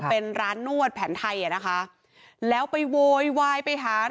เป็นร้านนวดแผนไทยอ่ะนะคะแล้วไปโวยวายไปหา